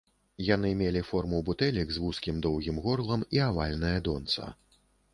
Яны мелі форму бутэлек з вузкім доўгім горлам і авальнае донца.